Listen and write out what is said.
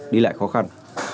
đi lại khó khăn